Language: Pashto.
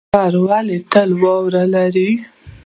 بابا غر ولې تل واوره لري؟